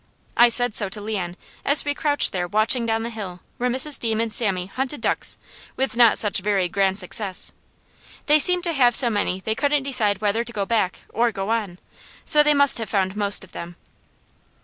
I said so to Leon as we crouched there watching down the hill where Mrs. Deam and Sammy hunted ducks with not such very grand success. They seemed to have so many they couldn't decide whether to go back or go on, so they must have found most of them.